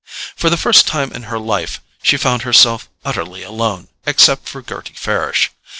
For the first time in her life she found herself utterly alone except for Gerty Farish.